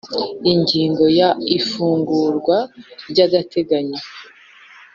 Ingingo ya ifungurwa ry agateganyo